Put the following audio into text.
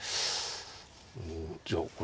うんじゃあこれ。